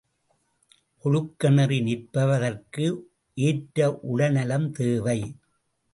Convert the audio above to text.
ஒழுக்க நெறி நிற்பதற்கு ஏற்ற உடல் நலம் தேவை.